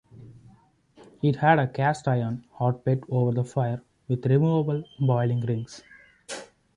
It had a cast-iron hotplate over the fire with removable boiling rings.